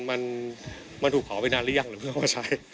มันถูกขอไปนานหรือยังหรือไม่ก็ใช้